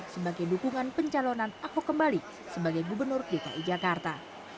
sebagai dukungan pencalonan ahok kembali sebagai gubernur dki jakarta